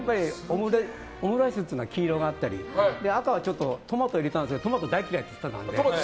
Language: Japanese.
オムライスっていうのは黄色があったりあとはちょっとトマト入れたんですけどトマト大嫌いって言ってたので。